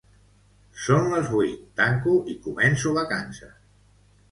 Son les vuit, tanco i començo vacances